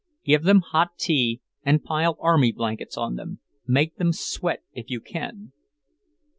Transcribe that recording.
"Give them hot tea, and pile army blankets on them. Make them sweat if you can."